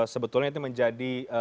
sebetulnya itu menjadi